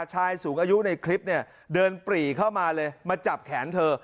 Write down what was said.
ชายสูงอายุในคลิปเนี่ยเดินปรีเข้ามาเลยมาจับแขนเธอ